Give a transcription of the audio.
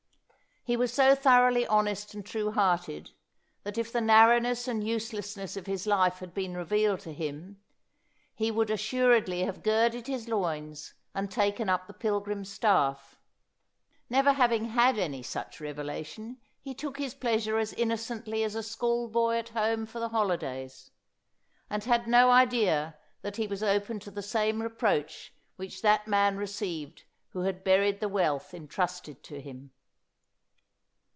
He was so thoroughly honest and true hearted, that if the narrow ness and uselessness of his life had been revealed to him, he would assuredly have girded his loins and taken up the pilgrim's staff. Never having had any such revelation he took his plea sure as innocently as a school boy at home for the holidays, and had no idea that he was open to the same reproach which that man received who had buried the wealth entrusted to him.